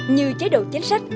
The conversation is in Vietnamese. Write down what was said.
như chế độ chính sách